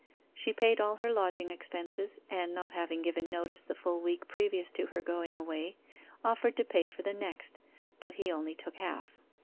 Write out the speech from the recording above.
She paid all her lodging expenses, and not having given notice the full week previous to her going away, offered to pay for the next, but he only took half.